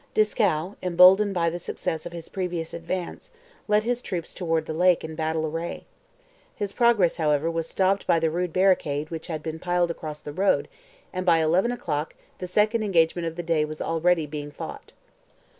Dieskau, emboldened by the success of his previous advance, led his troops towards the lake in battle array. His progress, however, was stopped by the rude barricade which had been piled across the road, and by eleven o'clock the second engagement of the day was already being fought.